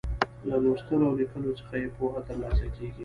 له لوستلو او ليکلو څخه يې پوهه تر لاسه کیږي.